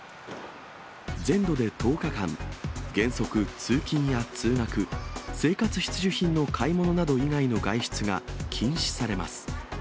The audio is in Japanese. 全土で１０日間、原則通勤や通学、生活必需品の買い物など以外の外出が禁止されます。